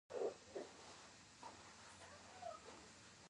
د مؤلده ځواکونو په ودې سره پخوانۍ اړیکې له منځه ځي.